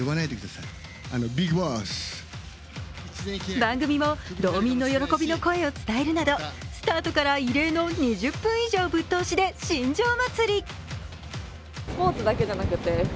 番組も道民の喜びの声を伝えるなどスタートから異例の２０分以上ぶっ通しで新庄祭り。